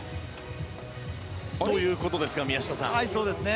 ということですが宮下さん。